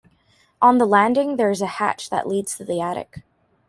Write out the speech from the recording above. On the landing, there is a hatch that leads to the attic.